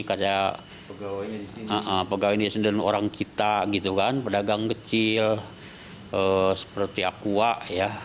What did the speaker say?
kayak pegawai di sini dan orang kita gitu kan pedagang kecil seperti akuak ya